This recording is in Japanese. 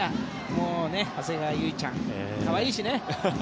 長谷川唯ちゃん可愛いしね。